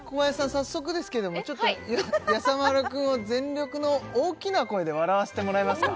早速ですけどもちょっとやさ丸くんを全力の大きな声で笑わせてもらえますか？